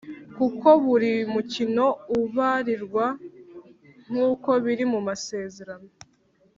kuko buri mukino ubarirwa nk’uko biri mu masezerano.